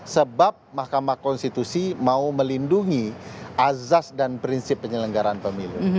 sebab mahkamah konstitusi mau melindungi azas dan prinsip penyelenggaraan pemilu